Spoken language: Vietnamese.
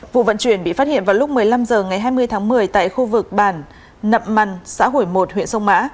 vụ vận chuyển bị phát hiện vào lúc một mươi năm h ngày hai mươi tháng một mươi tại khu vực bản nậm măn xã hủy một huyện sông mã